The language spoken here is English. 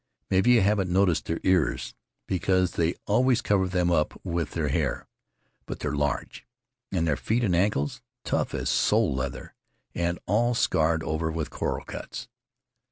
Maybe you haven't noticed their ears, because they always cover them up with their hair; but they're large, and their feet and ankles — tough as sole leather and all scarred over with coral cuts.